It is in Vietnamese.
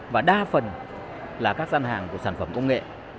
và đa phần là các gian hàng của sản phẩm công nghệ